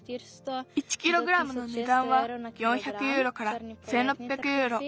１キログラムのねだんは４００ユーロから１，６００ユーロ。